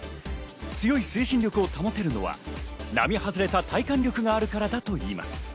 強い推進力を保てるのは並外れた体幹力があるからだといいます。